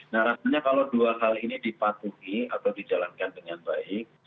nah rasanya kalau dua hal ini dipatuhi atau dijalankan dengan baik